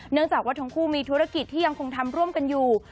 เนื่องจากว่าทั้งคู่มีธุรกิจที่ยังคงทำร่วมกันอยู่